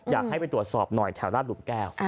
อยากให้ไปตรวจสอบหน่อยแถวราชหลุมแก้ว